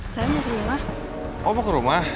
saya mau ke rumah